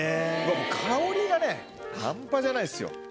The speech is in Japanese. もう香りがね半端じゃないですよ。